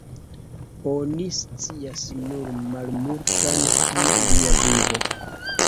Oni scias nur malmultan pri lia vivo.